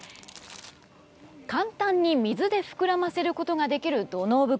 簡単に水で膨らませることができる土のう袋